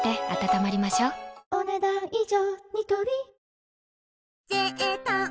お、ねだん以上。